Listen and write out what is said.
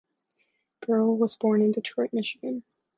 Burrell was born in Detroit, Michigan.